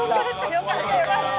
よかったよかった。